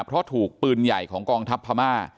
เพราะถูกปืนใหญ่ของกองทัพพม่า